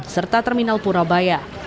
serta terminal purabaya